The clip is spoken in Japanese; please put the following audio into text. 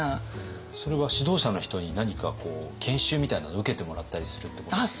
それは指導者の人に何かこう研修みたいなのを受けてもらったりするってことですか？